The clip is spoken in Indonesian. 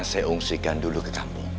saya unsikan dulu ke kampung